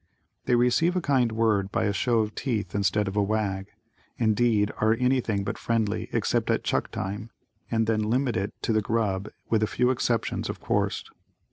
They receive a kind word by a show of teeth instead of a wag indeed, are anything but friendly, except at "chuck" time and then limit it to the grub with a few exceptions, of course.